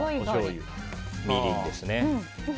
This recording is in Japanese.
みりんですね。